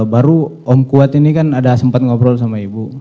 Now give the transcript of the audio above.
baru om kuat ini kan ada sempat ngobrol sama ibu